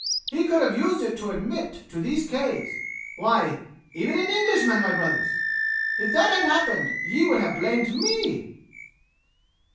He could have used it to admit to these caves why even an Englishman, my brothers! If that had happened, ye would have blamed me!"